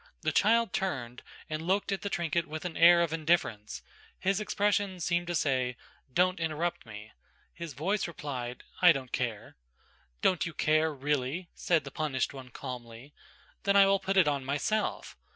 The child turned and looked at the trinket with an air of indifference; his expression seemed to say; "Don't interrupt me," his voice replied "I don't care." "Don't you care, really?" said the punished one calmly. "Then I will put it on myself."